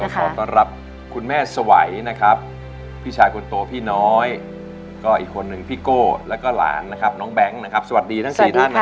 ขอต้อนรับคุณแม่สวัยนะครับพี่ชายคนโตพี่น้อยก็อีกคนนึงพี่โก้แล้วก็หลานนะครับน้องแบงค์นะครับสวัสดีทั้ง๔ท่านนะครับ